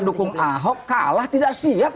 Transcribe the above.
dukung ahok kalah tidak siap